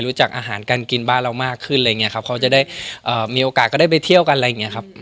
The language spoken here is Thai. อาหารการกินบ้านเรามากขึ้นอะไรอย่างเงี้ครับเขาจะได้มีโอกาสก็ได้ไปเที่ยวกันอะไรอย่างเงี้ยครับ